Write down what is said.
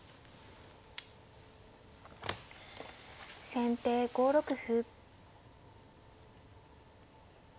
先手５六歩。